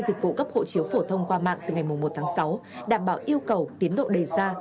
dịch vụ cấp hộ chiếu phổ thông qua mạng từ ngày một tháng sáu đảm bảo yêu cầu tiến độ đề ra